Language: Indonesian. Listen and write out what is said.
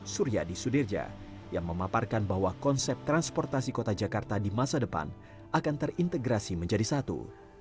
surya di sudirja yang memaparkan bahwa konsep transportasi kota jakarta di masa depan akan terintegrasi menjadi satu